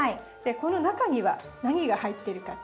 この中には何が入ってるかって。